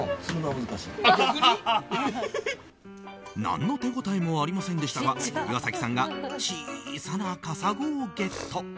何の手応えもありませんでしたが岩崎さんが小さなカサゴをゲット。